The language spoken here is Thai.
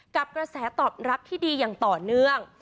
กระแสตอบรับที่ดีอย่างต่อเนื่อง